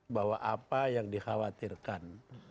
bahwa apa yang dikhawatirkan